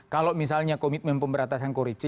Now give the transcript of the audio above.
kalau misalnya komitmen pemberantasan korupsi